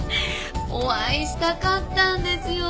お会いしたかったんですよ！